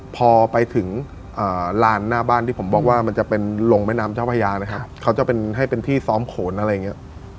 พอไปถึงลานหน้าบ้านที่ผมบอกว่ามันจะเป็นลงแม่น้ำเจ้าพญานะครับเขาจะเป็นให้เป็นที่ซ้อมโขนอะไรอย่างนี้